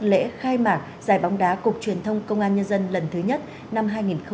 lễ khai mạc giải bóng đá cục truyền thông công an nhân dân lần thứ nhất năm hai nghìn hai mươi bốn